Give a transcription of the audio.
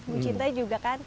bu cinta juga kan